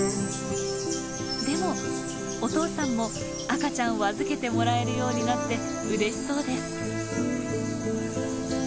でもお父さんも赤ちゃんを預けてもらえるようになってうれしそうです。